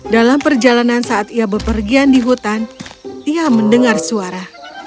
dalam perjalanan saat ia berpergian di hutan ia mendengar suara